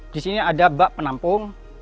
di sini ada bak penampung